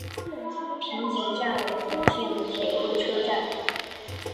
平井站总武本线的铁路车站。